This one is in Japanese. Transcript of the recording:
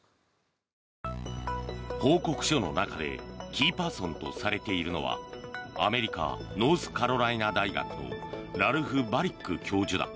報告書の中でキーパーソンとされているのはアメリカ・ノースカロライナ大学ラルフ・バリック教授だ。